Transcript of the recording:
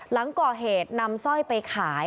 หลังก่อเหตุนำสร้อยไปขาย